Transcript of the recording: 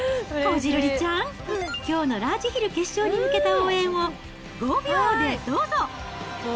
こじるりちゃん、きょうのラージヒル決勝に向けた応援を、５秒でどうぞ。